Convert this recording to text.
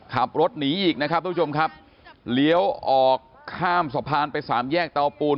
ขับรถหนีอีกนะครับทุกผู้ชมครับเลี้ยวออกข้ามสะพานไปสามแยกเตาปูน